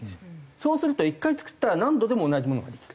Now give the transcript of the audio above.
そうすると１回作ったら何度でも同じものができる。